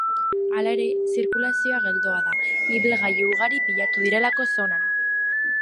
Hala ere, zirkulazioa geldoa da, ibilgailu ugari pilatu direlako zonan.